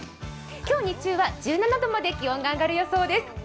今日、日中は１７度まで気温が上がる予想です。